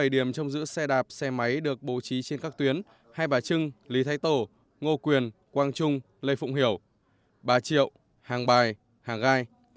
bảy điểm trong giữ xe đạp xe máy được bố trí trên các tuyến hai bà trưng lý thái tổ ngô quyền quang trung lê phụng hiểu bà triệu hàng bài hàng gai